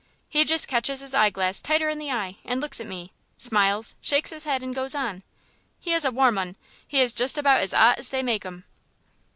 He just catches his hie glass tighter in eye and looks at me, smiles, shakes his head, and goes on. He is a warm 'un; he is just about as 'ot as they make 'em."